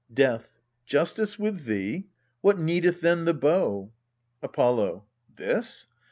Death. Justice with thee! what needeth then the bow? Apollo. This?